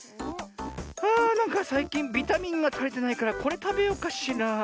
あなんかさいきんビタミンがたりてないからこれたべようかしら。